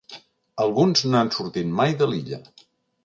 Alguns no han sortit mai de l'illa.